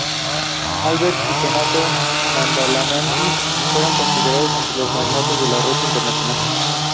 Alberti y Gaetano Badalamenti fueron considerados entre los magnates de la red internacional.